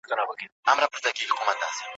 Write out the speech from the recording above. په ریشتیا یې د تیمور له خاندانه